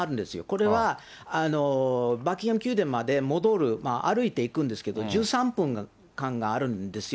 これはバッキンガム宮殿まで戻る、歩いていくんですけど、１３分間があるんですよ。